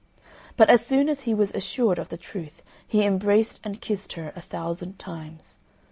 But as soon as he was assured of the truth he embraced and kissed her a thousand times.